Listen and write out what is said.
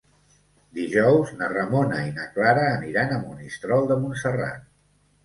Dijous na Ramona i na Clara aniran a Monistrol de Montserrat.